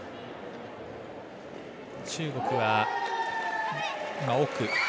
中国は奥。